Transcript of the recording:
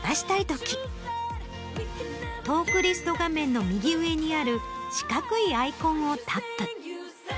トークリスト画面の右上にある四角いアイコン。